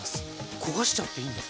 焦がしちゃっていいんですか？